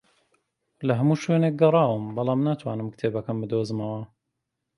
لە هەموو شوێنێک گەڕاوم، بەڵام ناتوانم کتێبەکەم بدۆزمەوە